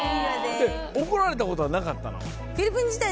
怒られたことはなかったの？